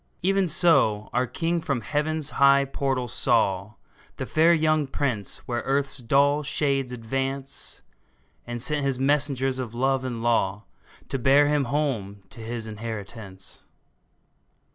Even so our King from Heaven's high portals saw The fair young Prince where earth's dull shades advance, And sent his messengers of love and law To bear him home to his inheritance